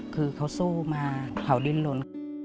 คือเขาสู้มาเขาดิ้นลน